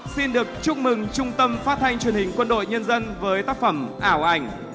xin được chúc mừng trung tâm phát thanh truyền hình quân đội nhân dân với tác phẩm ảo ảnh